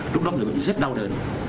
lúc đó người bệnh rất đau đớn